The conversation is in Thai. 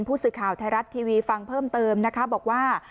ผู้สื่อข่าวไทยรัฐทีวีฟังเพิ่มเติมนะคะบอกว่า